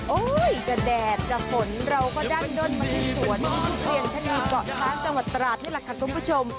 โอ้ยจะแดดจะฝนเราก็ดั้งด้นมาที่สวนที่เทียงท่านีเกาะสร้างจังหวัดตราดนี่แหละค่ะคุณผู้ชม